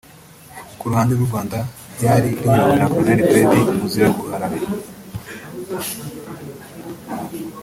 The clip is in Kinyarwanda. ku ruhande rw’u Rwanda ryari riyobowe na Col Fred Muziraguharara